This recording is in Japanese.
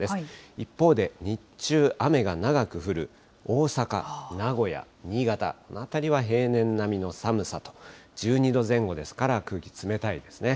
一方で日中、雨が長く降る、大阪、名古屋、新潟、この辺りは平年並みの寒さと１２度前後ですから、空気冷たいですね。